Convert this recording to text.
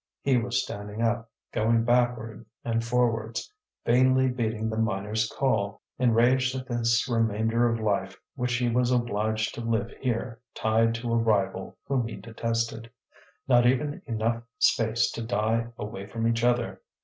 He was standing up, going backward and forwards, vainly beating the miners call, enraged at this remainder of life which he was obliged to live here tied to a rival whom he detested. Not even enough space to die away from each other!